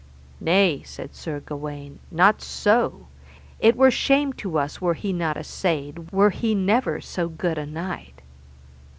Nay, said Sir Gawaine, not so, it were shame to us were he not assayed, were he never so good a knight.